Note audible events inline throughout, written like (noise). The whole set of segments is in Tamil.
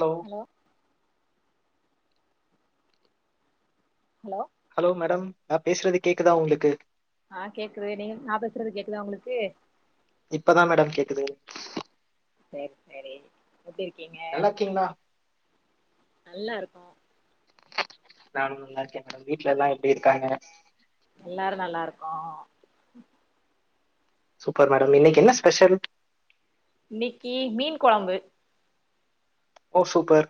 Low hello hello hello madam நா பேசுறது கேக்குதா உங்குளுக்கு ஆஹ் கேக்குது நீங் நா பேசுறது கேக்குதா உங்குளுக்கு க்குதே சேர் சேரி எப்டி இருக்கீங்க நல்லா இருக்கீங்களா நல்லா இருக்கோ நானும் நல்லா இருக்கேன் மேடம் வீட்டு்ல எல்லா எப்டி இருக்காங்க எல்லாரு நல்லா இருக்கோ சூப்பர் மேடம் இன்னைக்கி என்ன ஸ்பெஷல் இன்னீக்கி மீன் கொழம்பு ஓ சூப்பர்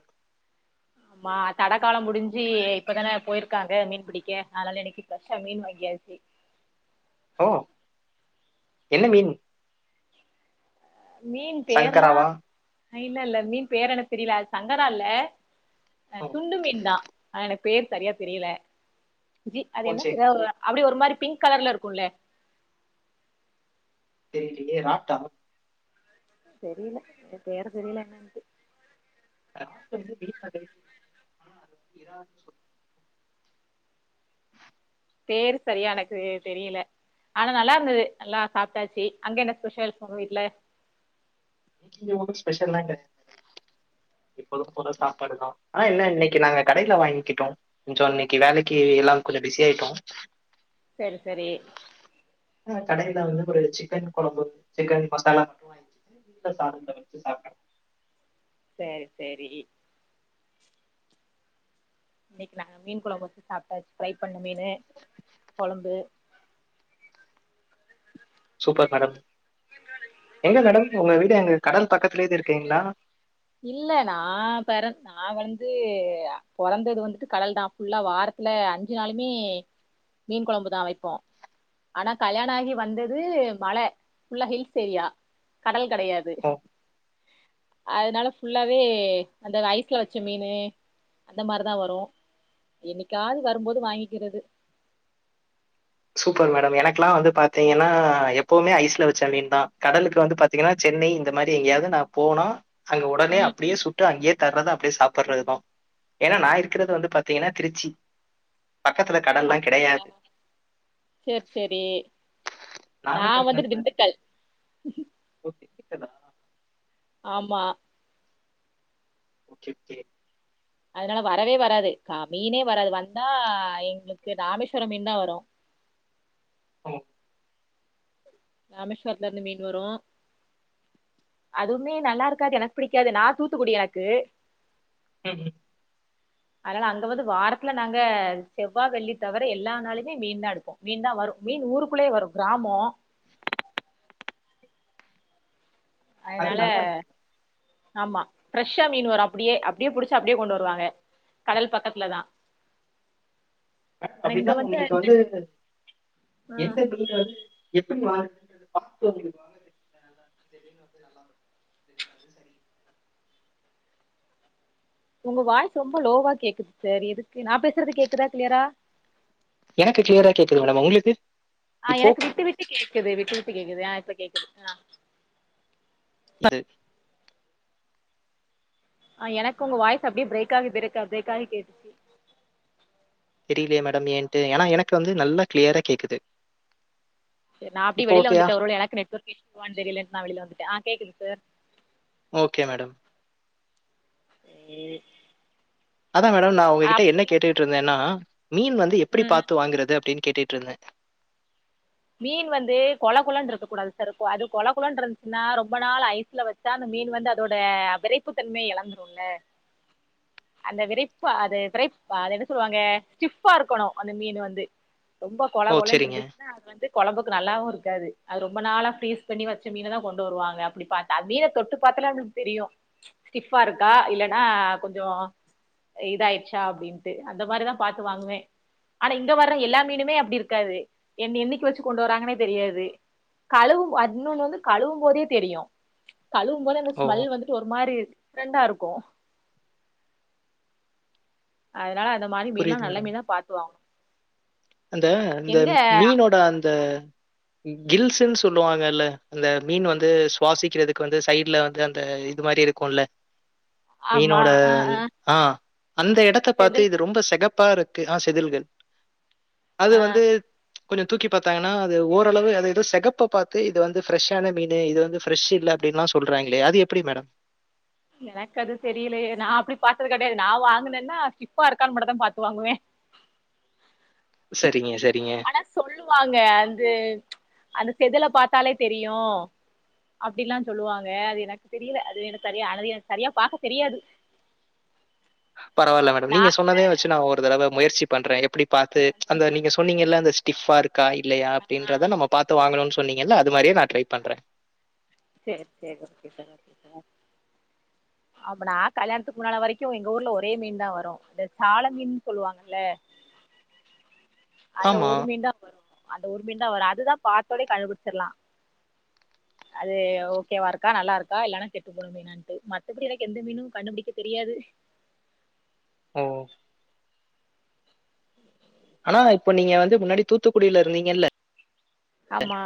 ஆமா தடக்காலம் முடிஞ்சி இப்பதான போயிருக்காங்க மீன் பிடிக்க அதனால என்னீக்கி ப்ரெஷ்ஷா மீன் வாங்கியாச்சு ஓ என்ன மீன் மீன் சங்கராவா பேர்லான் இல்ல இல்ல மீன் பேர என்ன தெரில அது சங்கரல்ல அ ஓ துண்டு மீன் தான் எனக் பேர் சரியா தெரில ஜி அது ஓ என்ன சேரி தரவ் அப்டி ஒரு மாரி பிங்க் கலர்ல இருக்கும்ல தெரிலியே ராப்ட்ட தெரில பேர தெரில என்னன்ட்டு (unintelligible) பேரு சரியாலக்கு தெரியல ஆனா நல்லா இருந்தது நல்லா சாப்டாச்சு அங்க என்ன ஸ்பெஷல் உங்க வீட்ல இங்க ஒன்னும் ஸ்பெஷல இல்ல எப்போவும் போல சாப்பாடு தான் ஆனா என்ன இன்னிக்கு நாங்க கடையில வாங்கிட்டோம் கொஞ்சம் இன்னிக்கு வேலக்கு எல்லாரும் கொஞ்சம் பிஸி ஆயிட்டோம் செரி சரி ஆ கடையில வந்து ஒரு சிக்கன் கொலம்பு சிக்கன் மசாலா மட்டும் வாங்கி வீட்ல சாததா வச்சு சாப்ட செரி செரி இன்னிக்கு நாங்க மீன் கொலம்பு வச்சு சாப்ட்டாச்சு ஃப்ரை பண்ண மீனு கொலம்பு சூப்பர் மேடம் எங்க மேடம் உங்க வீடு எங்க கடல் பக்கத்தலேதே இருக்கீங்களா இல்ல நா பெற நா வந்து பொறந்தது வந்துட்டு கடல் தான் புல்லா வாரத்துல அஞ்சு நாளுமே மீன் கொலம்பு தான் வைப்போம் ஆனா கல்யாண ஆகி வந்தது மல புல்லா ஹில்ஸ் ஏரியா கடல் கிடயாது ஓ! அனால ஃபுல்லாவே அந்த ஐசுல வச்ச மீனு அந்த மாரிதான் வரும் என்னிக்காது வரும்போது வாங்கிக்கிறது சூப்பர் மேடம் எனக்குல்லாம் வந்து பாத்தீங்கன்னா எப்வுமே ஐஸ்ல வச்ச மீன் தான் கடலுக்கு வந்து பாத்தீங்கன்னா சென்னை இந்த மாரி எங்கேயாவது நான் போனா அங்க உடனே ம் அப்டியே சுட்டு அங்கயே தர்றத அப்டியே சாப் பட்றதுதான் ஏனா நா இருக்கறிறது வந்து பாத்தீங்கன்னா திருச்சி பக்கத்துல கடல்லா கிடயாது செரி செரி நா வந்துட்டு நாகப்பட்டினத்தில திண்டுக்கல் கேதா ஆமா உச்சிதே அதனால வரவே வராது கா மீனே வராது வந்தா எங்களுக்கு ராமேஸ்வரம் மீன் தான் வரும் ஓ ராமேஸ்வரத்துல இருந்து மீன் வரும் அதுவுமே நல்லா இருக்காது எனக்கு புடிக்காது நா தூத்துக்குடி எனக்கு உம் அனால அங்க வந்து வாரத்துல நாங்க செவ்வா வெள்ளி தவர எல்லா நாளயுமே மீன் தான் எடுப்போம் மீன் தான் வரும் மீன் ஊருக்குள்ளயே வரும் கிராமோ அது ஐனால நல்லா இருக்குங்க. ஆமா ஃப்ரெஷ்ஷா மீன் வரும் அப்டியே அப்படியே புடிச்சா அப்டியே கொண்டு வருவாங்க கடல் பக்கத்துல தா ஆனா இங்க அப்டின்னா உங்களுக்கு வந்து ஆ எந்த (unintelligible) (unintelligible) உங்க வாய்ஸ் ரொம்ப லோவா கேக்குது சார் எதுக்கு நா பேசுறது கேக்குதா கிளியரா எனக்கு கிளியரா கேக்குது மேடம் உங்களுக்கு ஆ இப்போ எனக்கு விட்டு விட்டு கேக்குது விட்டு விட்டு கேக்குது ஆ இப்ப கேக் குது ஆ (unintelligible) ஆ எனக்கு உங்க வாய்ஸ் அப்டியே பிரேக் ஆகி ப்ரேக்கா பிரேக் ஆகி கேட்டுச்சு தெரிலையே மேடம் ஏன்ட்டு ஏனா எனக்கு வந்து நல்லா க்ளியரா கேக்குது நா அப்டியே இப்போ வெளில ஓகேயா வந்துட்டே ஒரு வேல எனக்கு நெட்ஒர்க் இஷ்யூவான் தெரிலன் நா வெளில வந்துட்டெ ஆ கேக்குது சார் ஓகே மேடம் ஏ அதா மேடம் நா உங்ககிட்ட என்ன கேட்டுட் இருந்தேன்னா மீன் வந்து எப்பிடி ம் ம் பாத்து வாங்குறது அப்டின் கேட்டுட்ருந்தே மீன் வந்து கொலகொலன்ருக்க கூடாது சார் அது கொல கொலன்ருன்ச்சுனா ரொம்ப நாள் ஐஸ்ல வச்சா அந்த மீன் வந்து அதோட விரைப்புத்தன்மைய எழந்துருல்ல அந்த விரைப்பு அது விரைப் அது என்ன சொல்லுவாங்க ஸ்டிஃப்பா இருக்கணு அந்த மீன் வந்து ரொம்பா கொழ ஓ சரிங்க கொழன்ட்ருந்துச்சுனா கொழம்புக்கு நல்லாவு இருக்காது அது ரொம்ப நாளா ஃப்ரீஸ் பண்ணி வச்ச மீனதா கொண்டு வருவாங்க அப்பிடி பாத்தா மீன தொட்டு பாத்தாலெ நமளுக் தெரியு ஸ்டிஃபா இருக்கா இல்லன்னா கொஞ்சொ இதாயிச்சா அப்டின்ட்டு அந்த மாரிதா பாத்து வாங்குவே ஆனா இங்க வர எல்லா மீனுமே அப்டி இருக்காது என் என்னைக்கு வச்சு கொண்டு வராங்கனே தெரியாது கழவும் அத் இன்னொன்னு வந்து கழுவும் போதே தெரியு கழுவும் போல இந்த ஓ ஸ்மெல் வந்துட்டு ஒரு மாரி டிஃப்ரெண்டா இருக்கு ஆ னால அந்த மாரி மீன்ல்லா புரியுது நல்ல மேடம் மீனா பாத்து வாங்னு அந்த இந்த மீனோட அந் த கில்ஸுன் சொல்லுவாங்கல்ல அந்த மீன் வந்து சுவாசிக்கிறதுக்கு வந்து சைட்ல வந்து அந்த இது மாரி இருக்குல்ல ஆமா. மீனோட அ, அ. ஆ அந்த எடத்த செதில் பாத்து இது மண். ரொம்ப செக ப்பா இருக்கு ஆ செிதில்கள் அது ஆ. வந்து கொஞ்ச தூக்கி பாத்தாங்கனா அது ஓரளவு அது எதோ செகப்ப பாத்து இது வந்து ஃப்ரெஷ்ஷான மீனு இது வந்து ஃப்ரெஷ் இல்ல அப்டின்லா சொல்றாங்களே அது எப்டி மேடம் எனக்கு அது தெரியலையே நா அப்டி பாத்தது கெடையாது நா வாங்குனென்னா ஸ்டிஃப்பா இருக்கான் மட்டு தா பாத்து வாங்குவே செ ஆனா சொல்லுவாங்க அது அந்த செதுல பாத்தாலே தெரியு அப்டில்லா சொல்லுவாங்க அது எனக்கு தெரில அது எனக்கு சரியா அது எனக்கு சரியா பாக்க தெரியாது பரவால்ல மேடம் நீங்க நாங்க சொன்னதே வச்சு நா ஒரு தடவ முயற்சி பண்றே எப்புடி பாத்து அந்த நீங்க சொன்னீங்கல்ல த ஸ்டிஃப்பாருக் கா இல்லையா ஆ. அப்டின்றத நம்ம பாத்து வாங்கணுன் சொன்னீங்கல்ல அது மாரியே நா ட்ரை பண்றே சேரி சேரி ஓகே சார் ஓகே சார் அப்ப நா கல்யாணத்துக்கு முன்னால வரைக்கு எங்க ஊர்ல ஒரே மீன் தா வரு இந்த சால மீனுன் சொல்வாங்கல்ல அந்த ஆமா. ஒரு மீன் தா வரு அந்த ஒரு பின் தான் வரும் அதுதான் பார்த்தோனே கண்டுபிடிச்சிடலாம் அது ஓகேவா இருக்கா நல்லா இருக்கா இல்லனா கெட்டு போணும் மீனான்ட்டு மத்தபடி எனக்கு எந்த மீனும் கண்டுபிடிக்க தெரியாது ஓ ஆனா இப்ப நீங்க வந்து முன்னாடி தூத்துக்குடியில இருந்தீங்கல்ல ஆமா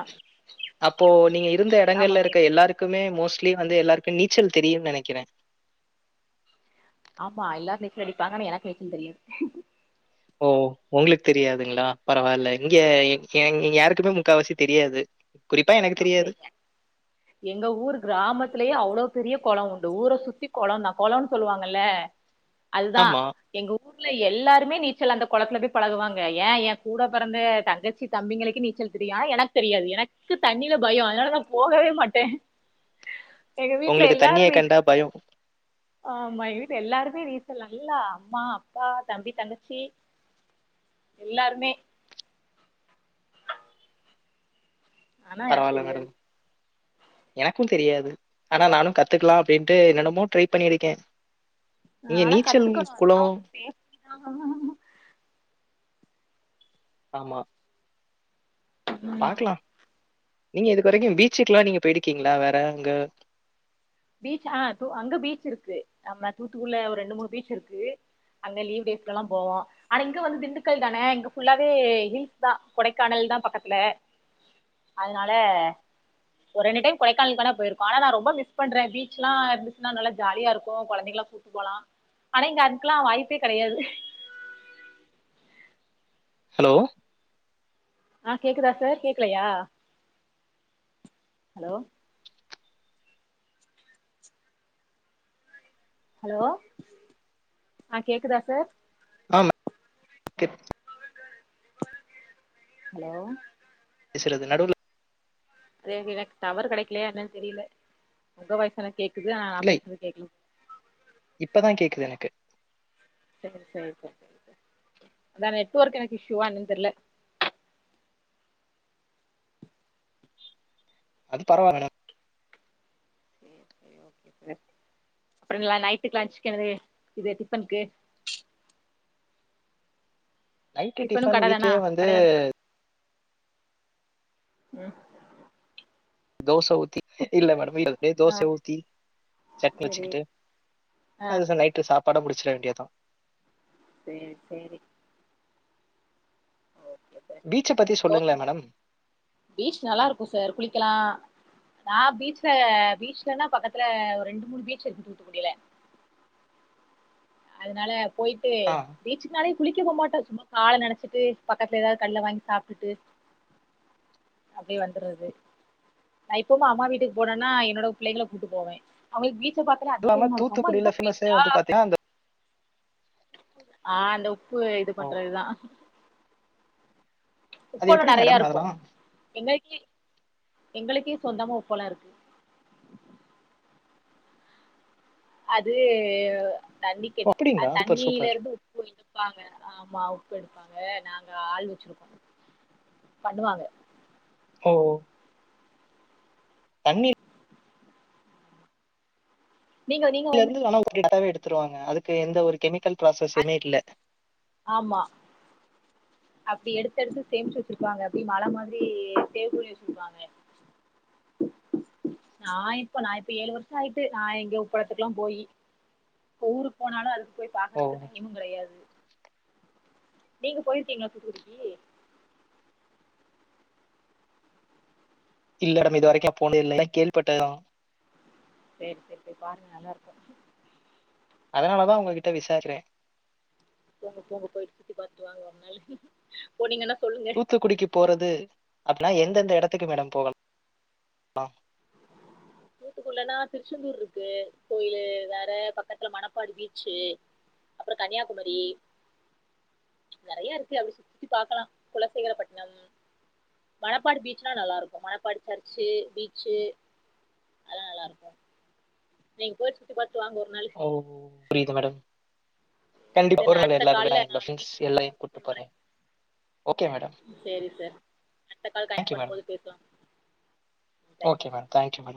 அப்போ நீங்க இருந்த ஆமா இடங்கள்ல சார் இருக்க எல்லாருக்குமே மோஸ்லி வந்து எல்லாருக்கும் நீச்சல் தெரியும்னு நினைக்கிறேன் ஆமா எல்லாரும் நீச்சல் அடிப்பாங்க எனக்கு நீச்சல் தெரியாது ஓ உங்களுக்கு தெரியாதுங்களா பரவாயில்ல இங்கே இங்கே யாருக்குமே முக்கா வாசி தெரியாது குறிப்பா எனக்கு தெரியாது. ஓகேக எங்க ஊர் கிராமத்தலயே அவ்வளவு பெரிய குளம் உண்டு ஊரை சுத்தி குளம் தான் குளம்ன்னு சொல்லுவாங்கல்ல அதுதான் ஆமா. எங்க ஊர் எல்லாருமே நீச்சல் அந்த குளத்துல போய் பழகுவாங்க ஏன் என் கூட பிறந்த தங்கச்சி தம்பிங்களுக்கு நீச்சல் தெரியும் ஆனா எனக்கு தெரியாது எனக்கு எனக்கு தண்ணில பயம் அதனால நான் போகவே மாட்டேன் எங்க வீட்டுல உங்களுக்கு தண்ணீய எல்லாரும் வீட்டு கண்டா பயம். ஆமா வீட்டு எல்லாரும் (unintelligible) வீட்டு நல்லா அம்மா அப்பா தம்பி தங்கச்சி எல்லாருமே ஆனா எனக்கு பரவால்ல தெரியாது மேடம். எனக்கும் தெரியாது ஆனா நானும் கத்துக்கலாம் அப்டின்னு என்னொன்னமோ ட்ரை பண்ணியிருக்கேன் இங்க நாளா நீச்சல் கத்துக்கணும் அதெல்லாம் குளம் ஒரு செப்டிதான் (unintelligible) ஆமா உம் உம் பாக்கலாம். நீங்க இது வரைக்கும் பீச்சுக்கெல்லாம் நீங்க போயிருக்கீங்களா வேற அங்க பீச்ஆ அங்க பீச் இருக்கு நம்ம தூத்துக்குடில ஒரு ரெண்டு மூணு பீச் இருக்கு அங்க லீவ் டேஸ்லாம் போவோம் ஆனா இங்க வந்து திண்டுக்கல் தானே இங்க ஃபுல்லாவே விழ்ச்சி தான் கொடைக்கானல் தான் பக்கத்துல அதனால ஒரு ரெண்டு டைம் கொடைக்கானலுக்கு வேணா போயிருக்கோ ஆனா நான் ரொம்ப நாள் மிஸ் பண்றேன் பீச் எல்லாம் இருந்துச்சுன்னா நல்லா ஜாலியா இருக்கும் குழந்தைங்க எல்லாம் கூட்டு போலாம் ஆனா இங்க அதுக்கெல்லாம் வாய்ப்பே கிடையாது ஹலோ ஆஹ் கேக்குதா சார் கேக்கலையா ஹலோ ஹலோ ஆஹ் கேக்குதா சார் ஆ மேம் கெக்குது ஹலோ பேசுறது நடுவுல அத எனக்கு டவர் கிடைக்கலயா என்னான்னு தெரியல உங்க வாய்ஸ்லா கேட்கு நா போய்ட்டு இருக்கே இப்பதான் கேக்குது எனக்கு சேரி சேரி பா அதான் நெட்வொர்க் இசுவா என்னானு தெரியல அது பரவால மேடம் அப்புற நைட்டுக்கு லஞ்சுக்கு என்னாது இது டிபனுக்கு நைட்டு டிஃபனு டிஃபன் கட தானா வீட்டலயே வந்து கடைல தானா (inaudible) தோசை ஊத்தி தெரியல மேடம் எப்டியோ ஆ தோசையை ஊத்தி சட்னி சரி வச்சுக்கிட்டு ஆ அது நைட்டு சாப்ப படம் முடிச்சிட வேண்டியதான் சேர் சேரி பீச்ச பத்தி சொல்லுங்ளே தோட்டம் மேடம் பீச் நல்லா இருக்கும் சார் குளிக்கலாம் நான் பீச்ல பீச்லன்னா பக்கத்துல ஒரு ரெண்டு மூணு பீச் இருக்கும் தூத்துக்குடில அதுனால போய்ட்டு ஆ. பீச்சூனாலே குளிக்கவும் மாட்டா சும்மா காலை நனச்சிட்டு பக்கத்துல ஏதாவது கடைல வாங்கி சாப்ட்டுட்டு அப்டியே வந்துரது நான் இப்பவும் அம்மா வீட்டுக்கு போனேன்னா என்னோட பிள்ளைகளை கூட்டு போவேன் அவுங்களுக்கு பீச் எப்ப பாத்தாலும் இல்லாம அதிசயமா இருக்கம் அம்மா தூத்துக்குடியில இதுதான் ஃபேமஸே பீச்சா வந்து பாத்தீங்கன்னா அந்த ஆ அந்த உப்பு இது ஓ பண்றதுதான் அது உப்பளம் எப்படி நறைய மேடம் இருக்கும் அதெல்லாம்? இன்னக்கி எங்களுக்கே சொந்தமா உப்பளம் இருக்கு அது தண்ணிகே ஓ அப்படிங்களா? சூப்பர், தண்ணியில சூப்பர். இருந்து உப்பு எடுப்பாங்க ஆமா உப்பு எடுப்பாங்க நாங்க ஆள் வச்சிருக்கோம் பண்ணுவாங்க ஓ தண்ணி நீங்க நீங்க வந்து (unintelligible) ருவாங்க அதுக்கு எந்த ஒரு கெமிக்கல் அது ப்ராஸஸுமே இல்ல ஆமா அப்டி எடுத்து எடுத்து சேமிச்சு வச்சிருப்பாங்க அப்டி மழை மாரி சேவ் பண்ணி வச்சிருப்பாங்க நான் இப்ப நான் இப்ப ஏழு வருஷம் ஆயிட்டு நான் எங்க உப்படத்துக்கு எல்லாம் போய் இப்ப ஊருக்கு போனாலும் அது போய் ஓ! பாக்குறதுக்கு டைமும் கெடையாது நீங்க போயிருக்கீங்களா தூத்துக்குடிக்கு இல்ல டம் இது வரைக்கும் போனதில்ல எல்லா கேள்விப்பட்டதான் சேரி சேரி பாருங்க நல்லா இருக்கும் அதனால தான் உங்ககிட்ட விசாரிக்கிறேன் போங்க போங்க போயிட்டு சுத்தி பாத்துட்டு வாங்க ஒரு நாலு போனீங்கனா தூத்துக்குடிக்கு போறது அப் ஆனா எந்தெந்த இடத்துக்கு மேடம் போகலாம் தூத்துக்குள்ளன்னா திருச்செந்தூர் இருக்கு கோயிலு வேற பக்கத்துல மணப்பாடி பீச்சு அப்றம் கன்னியாகுமரி நறைய இருக்கு அப்படி சுத்தி சுத்தி பாக்கலாம் குலசேகரப்பட்டினம் மணப்பாடு பீச்லாம் நல்லா இருக்கும் மணப்பாடு சர்ச்சு பீச்சு அதல்லாம் நல்லா இருக்கும் நீங்க போய் சுத்தி பாத்து ஓ புரியிது மேடம் கண்டிப்பா சேரி ஒரு நா நாள் அடுத்த எல்லாரும் கால்ல நான் நா ப்ரண்ஸ் எல்லையும் உங்களுக்கு கூட்டு சொல்றே போறேன் ஓகே மேடம். சேரி சார் அடுத்த கால் தேங்க் கனக்ட் யூ பண்ணும் மேடம். போது பேசலாம் ஓகே மேடம் தேங்க்யூ மேடம்